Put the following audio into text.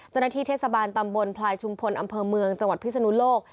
เจ้าหน้าที่เทศบาลตำบลพลายชุมพลอำเภอเมืองจังหวัดพิศนุโลก